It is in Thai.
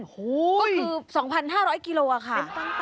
ก็คือ๒๕๐๐กิโลค่ะ